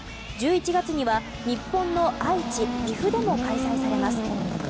１１月には日本の愛知、岐阜でも開催されます。